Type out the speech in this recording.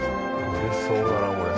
売れそうだなこれ。